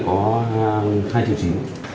trong này có hai triệu chí